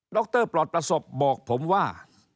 รปลอดประสบบอกผมว่า